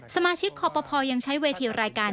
สมาชิกขอบพอพอร์ยังใช้เวทีรายการ